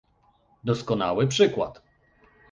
Doskonały przykład!